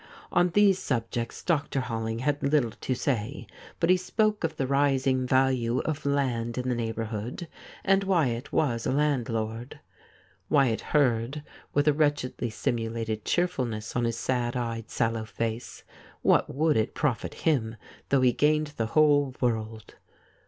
On these subjects Dr. Holling had little to say, but he spoke of the rising value of land in the 32 THIS IS ALL neighbourhood ; and Wyatt was a landlord. Wyatt heard with a wretchedly simulated cheerfulness on his sad eyed, sallow face. What would it profit him though he gained the whole world